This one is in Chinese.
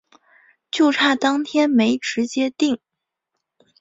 就差当天没直接订